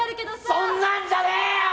そんなんじゃねえよ！